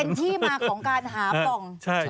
เป็นที่มาของการหาปล่อง